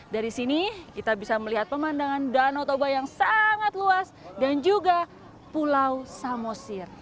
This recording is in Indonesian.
dari sini kita bisa melihat pemandangan danau toba yang sangat luas dan juga pulau samosir